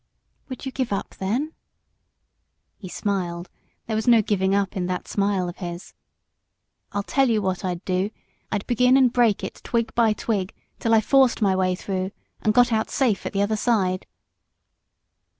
"Would you give up, then?" He smiled there was no "giving up" in that smile of his. "I'll tell you what I'd do I'd begin and break it, twig by twig, till I forced my way through, and got out safe at the other side."